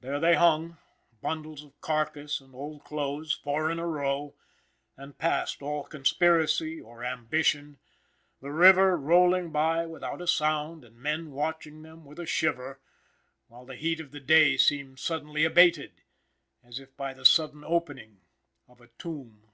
There they hung, bundles of carcass and old clothes, four in a row, and past all conspiracy or ambition, the river rolling by without a sound, and men watching them with a shiver, while the heat of the day seemed suddenly abated, as if by the sudden opening of a tomb.